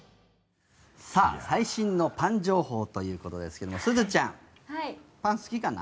最新のパン情報ということですけれどもすずちゃん、パン好きかな？